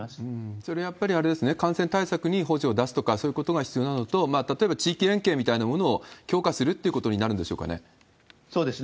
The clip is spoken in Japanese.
それはやっぱりあれですね、感染対策に補助を出すとか、そういうことが必要なのと、例えば地域連携みたいなものを強化するみたいなことになるんでしそうですね。